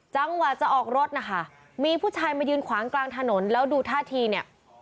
จังหวะจะออกรถนะคะมีผู้ชายมายืนขวางกลางถนนแล้วดูท่าทีเนี่ย